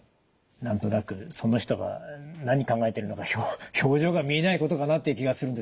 何となくその人が何考えてるのか表情が見えないことかなっていう気がするんですけど。